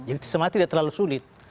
jadi sebenarnya tidak terlalu sulit